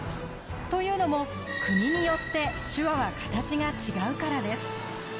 というのも、国によって手話は形が違うからです。